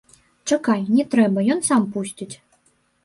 Чакай, не трэба, ён сам пусціць.